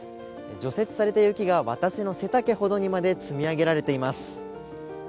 除雪された雪が私の背丈ほどまで積み上げられています。